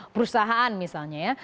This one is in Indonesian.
perusahaan misalnya ya